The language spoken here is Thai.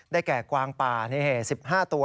แก่กวางป่า๑๕ตัว